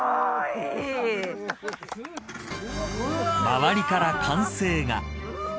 周りから歓声が。